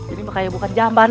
ini makanya bukan jamban